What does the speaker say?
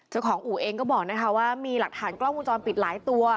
เจ้าของอู่เองก็บอกนะคะว่ามีหลักฐานกล้องวงจรปิดหลายตัว